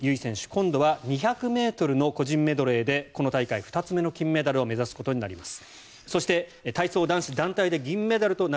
今度は２００ｍの個人メドレーでこの大会２つ目の金メダルを目指すことになります。